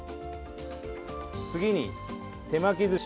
次に手巻き寿司。